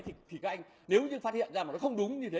thì các anh nếu như phát hiện ra mà nó không đúng như thế